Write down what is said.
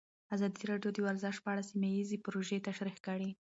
ازادي راډیو د ورزش په اړه سیمه ییزې پروژې تشریح کړې.